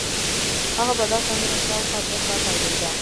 هغه به دا سندره شاوخوا دوه ساعته اورېده